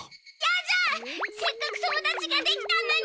せっかく友達ができたのに！